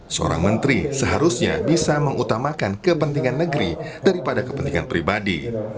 seorang menteri seharusnya bisa mengutamakan kepentingan negeri daripada kepentingan pribadi